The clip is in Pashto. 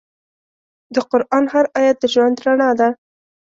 د قرآن هر آیت د ژوند رڼا ده.